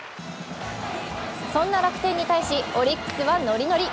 そんな楽天に対しオリックスはノリノリ。